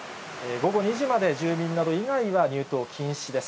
午後２時まで、住民など以外は、入島禁止です。